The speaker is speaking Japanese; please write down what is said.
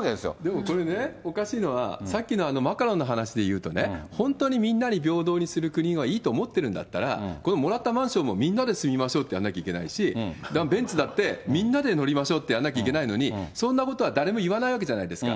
でもこれね、おかしいのは、さっきのマカロンの話でいうとね、本当にみんなに平等にする国がいいと思ってるんだったら、このもらったマンションもみんなで住みましょうってやんなきゃいけないし、ベンツだって、みんなで乗りましょうってやらなきゃいけないのに、そんなことは誰も言わないわけじゃないですか。